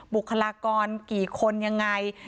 บุคลากรกี่คนยังไง